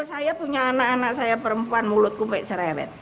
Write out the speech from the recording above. loh saya punya anak anak saya perempuan mulutku baik serepet